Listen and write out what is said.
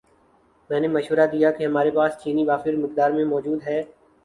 میں نے مشورہ دیا کہ ہماری پاس چینی وافر مقدار میں موجود ہے